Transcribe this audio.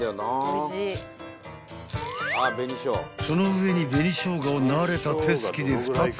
［その上に紅生姜を慣れた手つきで２つかみ］